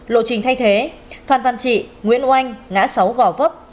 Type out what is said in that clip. lộ trình thay thế phan văn trị nguyễn oanh ngã sáu gò vấp